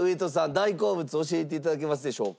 大好物教えて頂けますでしょうか？